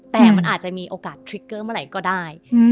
แต่มันอาจจะมีโอกาสทริกเกอร์เมื่อไหร่ก็ได้